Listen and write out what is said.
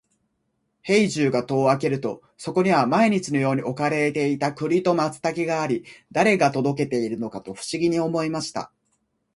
兵十が戸を開けると、そこには毎日のように置かれていた栗と松茸があり、誰が届けているのかと不思議に思いました。